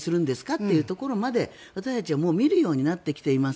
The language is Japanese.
というところまで私たちは見るようになってきています。